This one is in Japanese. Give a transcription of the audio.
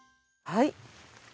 はい。